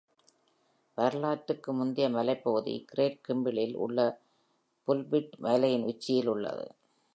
வரலாற்றுக்கு முந்தைய மலைப்பகுதி கிரேட் கிம்பிளில் உள்ள புல்பிட் மலையின் உச்சியில் உள்ளது.